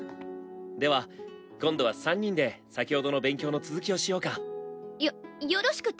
では今度は三人で先ほどの勉強の続きをしようか。よよろしくて？